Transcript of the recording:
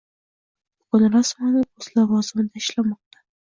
Bugun rasman o‘z lavozimida ishlamoqda.